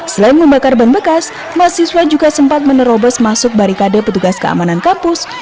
selain membakar ban bekas mahasiswa juga sempat menerobos masuk barikade petugas keamanan kampus